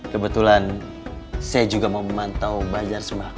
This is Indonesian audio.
kebetulan saya juga mau memantau bajar semangat